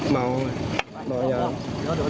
เมาแย่